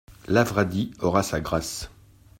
Lavradi aura sa grâce.